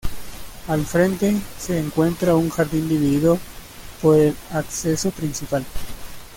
Al frente, se encuentra un jardín dividido por el acceso principal.